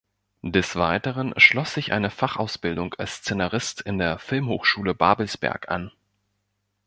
Des Weiteren schloss sich eine Fachausbildung als Szenarist an der Filmhochschule Babelsberg an.